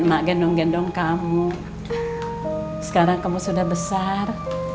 saya itu yang bangin bawa bel effective lezat nad coroner